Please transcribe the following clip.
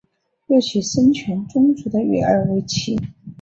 又娶孙权宗族的女儿为妻。